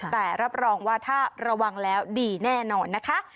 แต่รับรองว่าถ้าระวังแล้วดีแน่นอนนะคะ